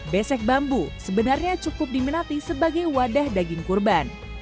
besek bambu sebenarnya cukup diminati sebagai wadah daging kurban